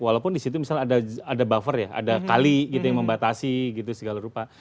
walaupun di situ misalnya ada buffer ya ada kali gitu yang membatasi gitu segala rupa